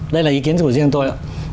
đây là ý kiến của riêng tôi